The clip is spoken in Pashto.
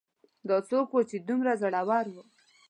دا څوک و چې دومره زړور و